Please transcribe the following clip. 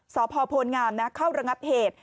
สพงามเข้าระงับเหตุ